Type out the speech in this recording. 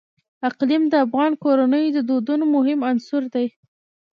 اقلیم د افغان کورنیو د دودونو مهم عنصر دی.